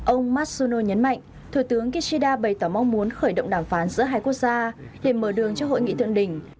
ông matsuno nhấn mạnh thủ tướng kishida bày tỏ mong muốn khởi động đàm phán giữa hai quốc gia để mở đường cho hội nghị thượng đỉnh